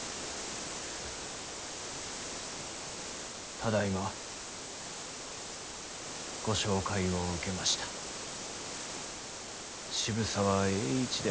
ただいまご紹介を受けました渋沢栄一であります。